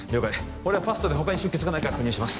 俺はファストで他に出血がないか確認します